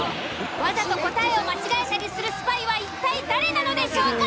わざと答えを間違えたりするスパイは一体誰なのでしょうか？